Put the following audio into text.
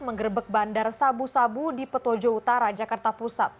menggerbek bandar sabu sabu di petojo utara jakarta pusat